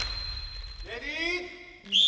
レディー。